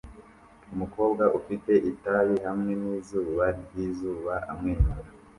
Umukobwa ufite itabi hamwe nizuba ryizuba amwenyura